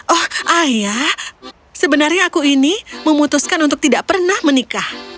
oh ayah sebenarnya aku ini memutuskan untuk tidak pernah menikah